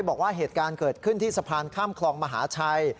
บอกว่าเหตุการณ์เกิดขึ้นที่สะพานข้ามคลองมหาชัย